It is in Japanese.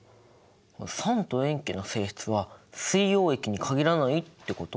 酸と塩基の性質は水溶液に限らないってこと？